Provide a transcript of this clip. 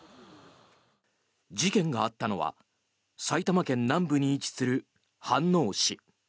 事件があったのは埼玉県南部に位置する飯能市。